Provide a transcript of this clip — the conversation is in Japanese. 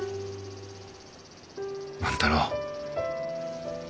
万太郎。